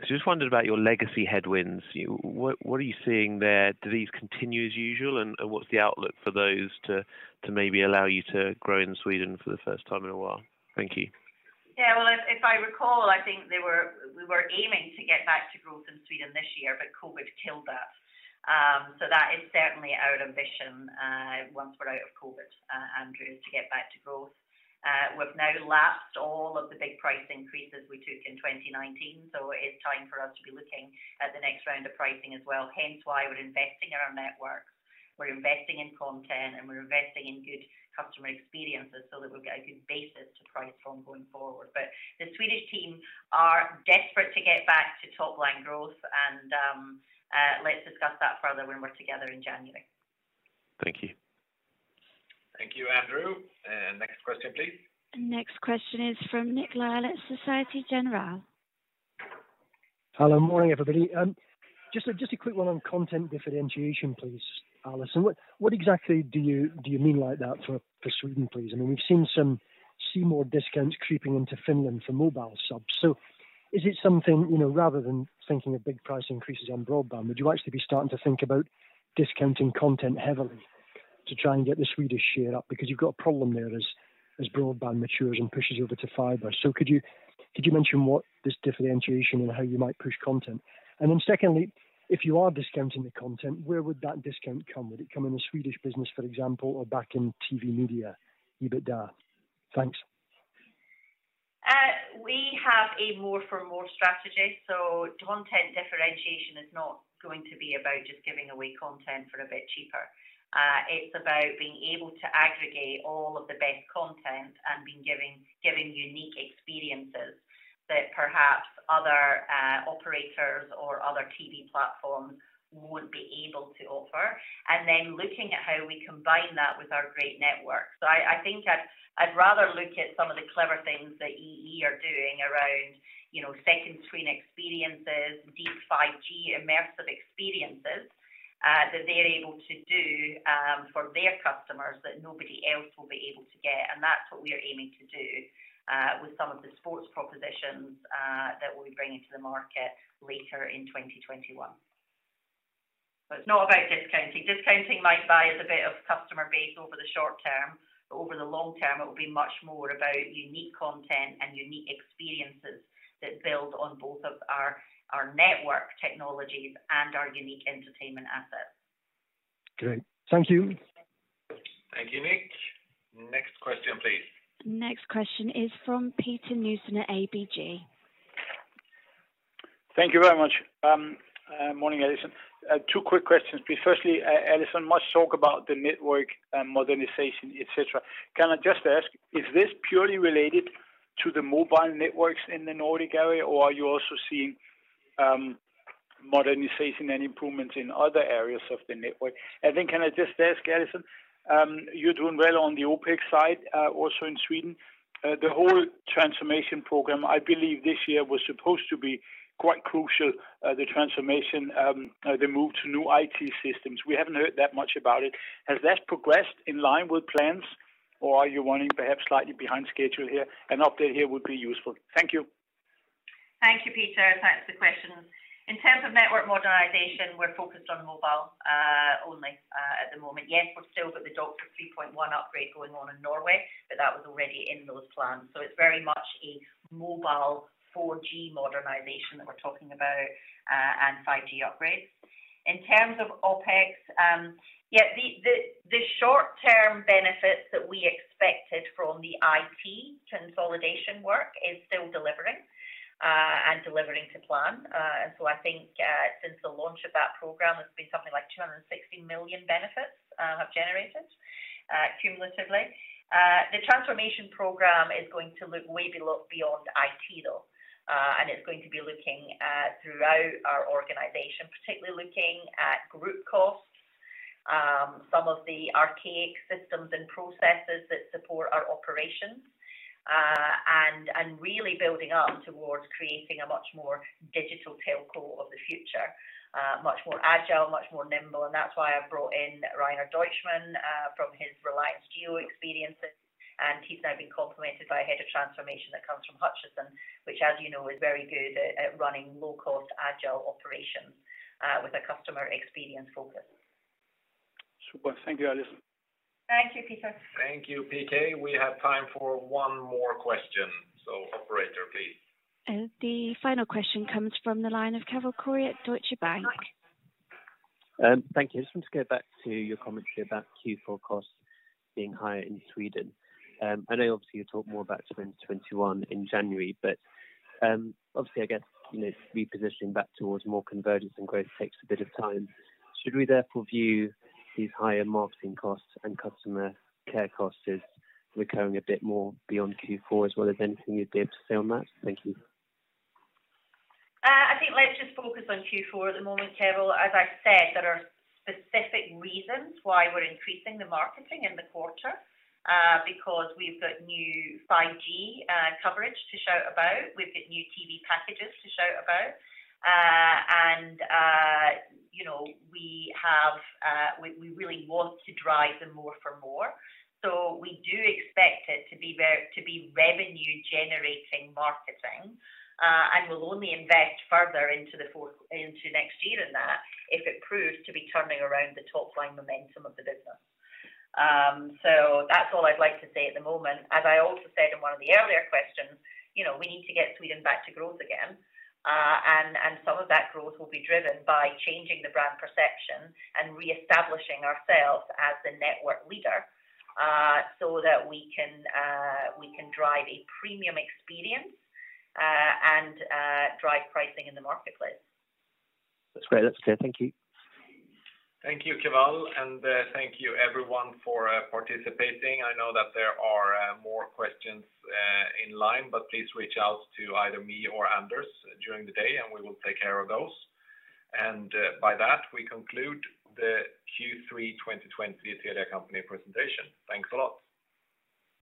Just wondered about your legacy headwinds. What are you seeing there? Do these continue as usual? What's the outlook for those to maybe allow you to grow in Sweden for the first time in a while? Thank you. Well, if I recall, I think we were aiming to get back to growth in Sweden this year. COVID killed that. That is certainly our ambition once we're out of COVID, Andrew, is to get back to growth. We've now lapsed all of the big price increases we took in 2019. It is time for us to be looking at the next round of pricing as well, hence why we're investing in our networks, we're investing in content, and we're investing in good customer experiences so that we've got a good basis to price from going forward. The Swedish team are desperate to get back to top-line growth. Let's discuss that further when we're together in January. Thank you. Thank you, Andrew. Next question, please. Next question is from Nick Lyall at Société Générale. Hello, morning, everybody. Just a quick one on content differentiation, please, Allison. What exactly do you mean by that for Sweden, please? We've seen some C More discounts creeping into Finland for mobile subs. Is it something rather than thinking of big price increases on broadband, would you actually be starting to think about discounting content heavily to try and get the Swedish share up? You've got a problem there as broadband matures and pushes you over to fiber. Could you mention what this differentiation and how you might push content? Secondly, if you are discounting the content, where would that discount come? Would it come in the Swedish business, for example, or back in TV & Media EBITDA? Thanks. We have a more for more strategy. Content differentiation is not going to be about just giving away content for a bit cheaper. It's about being able to aggregate all of the best content and giving unique experiences that perhaps other operators or other TV platforms won't be able to offer, and then looking at how we combine that with our great network. I think I'd rather look at some of the clever things that EE are doing around second screen experiences, deep 5G immersive experiences that they're able to do for their customers that nobody else will be able to get. That's what we are aiming to do with some of the sports propositions that we'll be bringing to the market later in 2021. It's not about discounting. Discounting might buy us a bit of customer base over the short term, but over the long term, it will be much more about unique content and unique experiences that build on both of our network technologies and our unique entertainment assets. Great. Thank you. Thank you, Nick. Next question, please. Next question is from Peter Nielsen, ABG. Thank you very much. Morning, Allison. Two quick questions. Firstly, Allison, much talk about the network modernization, et cetera. Can I just ask, is this purely related to the mobile networks in the Nordic area, or are you also seeing modernization and improvements in other areas of the network? Then can I just ask, Allison, you're doing well on the OpEx side, also in Sweden. The whole transformation program, I believe this year was supposed to be quite crucial. The transformation, the move to new IT systems. We haven't heard that much about it. Has that progressed in line with plans, or are you running perhaps slightly behind schedule here? An update here would be useful. Thank you. Thank you, Peter. Thanks for the questions. In terms of network modernization, we're focused on mobile only at the moment. Yes, we've still got the DOCSIS 3.1 upgrade going on in Norway, but that was already in those plans. It's very much a mobile 4G modernization that we're talking about and 5G upgrades. In terms of OpEx, yeah, the short-term benefits that we expected from the IT consolidation work is still delivering, and delivering to plan. I think since the launch of that program, it's been something like 260 million benefits have generated cumulatively. The transformation program is going to look way beyond IT, though, and it's going to be looking throughout our organization, particularly looking at group costs, some of the archaic systems and processes that support our operations, and really building up towards creating a much more digital telco of the future. Much more agile, much more nimble, and that's why I brought in Rainer Deutschmann from his Reliance Jio experiences, and he's now been complemented by a head of transformation that comes from Hutchison, which, as you know, is very good at running low-cost agile operations with a customer experience focus. Super. Thank you, Allison. Thank you, Peter. Thank you, Peter. We have time for one more question. Operator, please. The final question comes from the line of Keval Khiroya at Deutsche Bank. Thank you. I just want to go back to your commentary about Q4 costs being higher in Sweden. I know obviously you talk more about 2021 in January, but obviously, I guess repositioning back towards more convergence and growth takes a bit of time. Should we therefore view these higher marketing costs and customer care costs as recurring a bit more beyond Q4 as well? Is there anything you'd be able to say on that? Thank you. I think let's just focus on Q4 at the moment, Keval. As I've said, there are specific reasons why we're increasing the marketing in the quarter. We've got new 5G coverage to shout about, we've got new TV packages to shout about. We really want to drive the more for more. We do expect it to be revenue-generating marketing, and we'll only invest further into next year in that if it proves to be turning around the top-line momentum of the business. That's all I'd like to say at the moment. As I also said in one of the earlier questions, we need to get Sweden back to growth again. Some of that growth will be driven by changing the brand perception and reestablishing ourselves as the network leader, so that we can drive a premium experience, and drive pricing in the marketplace. That's great. That's it. Thank you. Thank you, Keval, and thank you everyone for participating. I know that there are more questions in line, but please reach out to either me or Anders during the day, and we will take care of those. By that, we conclude the Q3 2020 Telia Company presentation. Thanks a lot.